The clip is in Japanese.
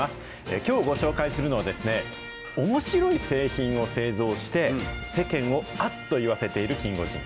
きょうご紹介するのはですね、おもしろい製品を製造して、世間をあっといわせているキンゴジン。